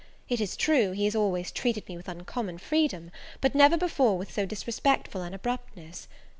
It is true, he has always treated me with uncommon freedom, but never before with so disrespectful an abruptness.